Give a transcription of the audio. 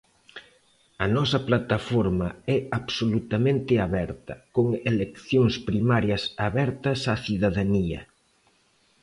A nosa plataforma é absolutamente aberta, con eleccións primarias abertas á cidadanía.